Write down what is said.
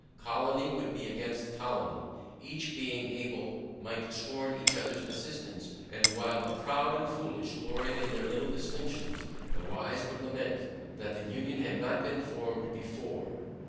Colony would be against colony. Each being able might scorn each other's assistance; and while the proud and foolish gloried in their little distinctions, the wise would lament, that the union had not been formed before.